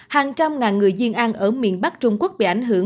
hàng trăm ngàn người diên ăn ở miền bắc trung quốc bị ảnh hưởng